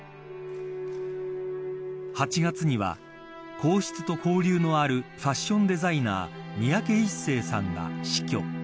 ８月には皇室と交流のあるファッションデザイナー三宅一生さんが死去。